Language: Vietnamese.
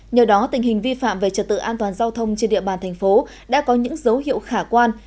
nhờ đó tình hình vi phạm về trật tự an toàn giao thông trên địa bàn thành phố đã có những dấu hiệu khả quan